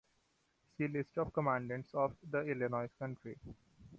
See List of commandants of the Illinois Country.